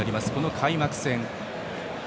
この開幕戦。